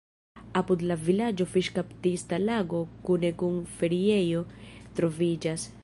Apud la vilaĝo fiŝkaptista lago kune kun feriejo troviĝas.